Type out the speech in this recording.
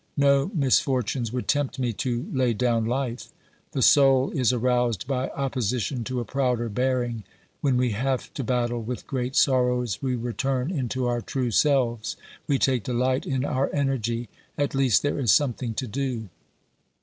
No misfortunes would tempt me to lay down life. The soul is aroused by opposition to a prouder bearing ; when we have to battle with great sorrows, we return into our true selves ; we take delight in our energy ; at least there is something to do.